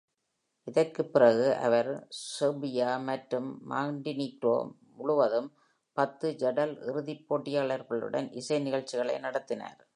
இதற்குப் பிறகு, இவர் செர்பியா மற்றும் மாண்டினீக்ரோ முழுவதும் பத்து "ஐடல்" இறுதிப் போட்டியாளர்களுடன் இசை நிகழ்ச்சிகளை நடத்தினார்.